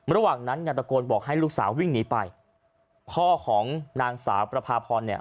ระหว่างนั้นงานตะโกนบอกให้ลูกสาววิ่งหนีไปพ่อของนางสาวประพาพรเนี่ย